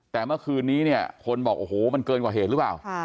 แต่เมื่อคืนนี้เนี่ยคนบอกโอ้โหมันเกินกว่าเหตุหรือเปล่า